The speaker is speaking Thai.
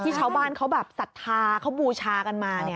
ที่ชาวบ้านเขาแบบสัทธาเขาบูชากันมาเนี่ย